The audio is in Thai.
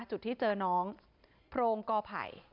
จุดที่เจอน้องโพรงกอไผ่